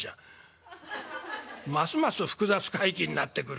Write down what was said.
「ますます複雑怪奇になってくる。